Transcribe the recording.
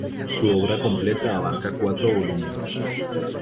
Su obra completa abarca cuatro volúmenes.